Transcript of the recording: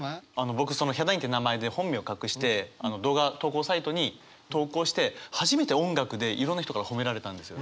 僕「ヒャダイン」っていう名前で本名隠して動画投稿サイトに投稿して初めて音楽でいろんな人から褒められたんですよね。